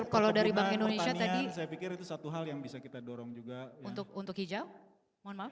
kalau dari bank indonesia tadi untuk hijau